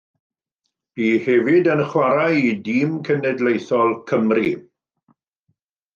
Bu hefyd yn chwarae i dîm cenedlaethol Cymru.